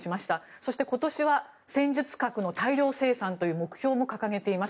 そして、今年は戦術核の大量生産という目標も掲げています。